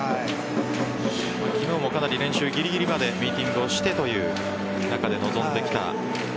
昨日もかなり練習ぎりぎりまでミーティングをしてという中で臨んできた。